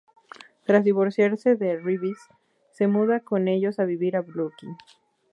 Tras divorciarse de Reeves, se muda con ellos a vivir a Brooklyn.